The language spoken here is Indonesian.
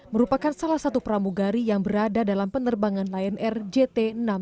merupakan salah satu pramugari yang berada dalam penerbangan lion air jt enam ratus sepuluh